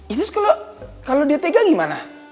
ini kalau dia tega gimana